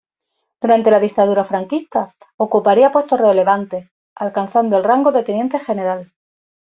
Durante la Dictadura franquista ocuparía puestos relevantes, alcanzando el rango de teniente general.